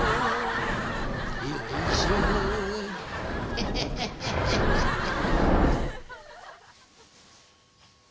ヘヘヘヘヘヘヘッ！